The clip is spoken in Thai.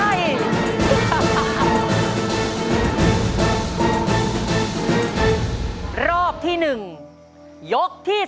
ได้คะแนนสะสมจากคณะกรรมการไปอีกหนึ่งคะแนน